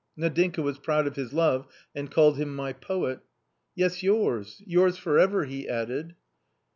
Nadinka was proud of his love and called him " my poet" " Yes, yours, yours . for ever," he added.